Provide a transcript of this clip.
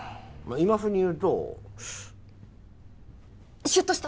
今風に言うとシュッとした？